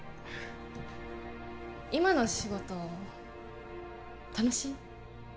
今の仕事楽しい？